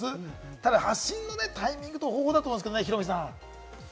ただ発信のタイミングと方法だと思うんですよね、ヒロミさん。